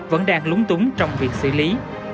vẫn đang lúng túng trong việc xử lý